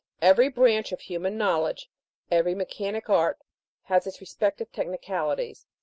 Every branch of human know ledge every mechanic art, has its respective tech nicalities.